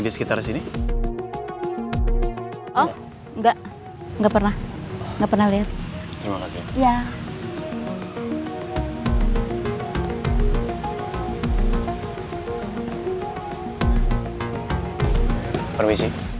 di sekitar sini